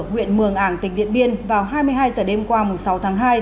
huyện mường ảng tỉnh điện biên vào hai mươi hai h đêm qua sáu tháng hai